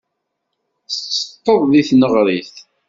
Tettetteḍ deg tneɣrit?